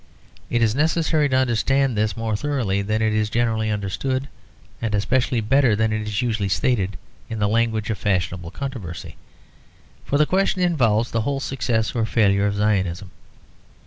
It is necessary to understand this more thoroughly than it is generally understood, and especially better than it is usually stated in the language of fashionable controversy. For the question involves the whole success or failure of Zionism.